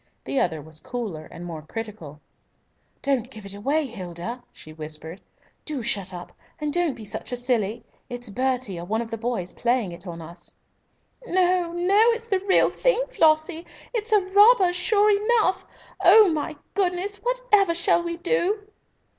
The other was cooler and more critical. "Don't give it away, Hilda," she whispered. "Do shut up, and don't be such a silly. It's Bertie or one of the boys playing it on us." "No, no! It's the real thing, Flossie. It's a robber, sure enough. Oh, my goodness, whatever shall we do?"